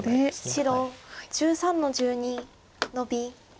白１３の十二ノビ。